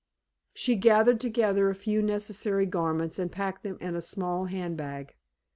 She gathered together a few necessary garments and packed them in a small hand bag.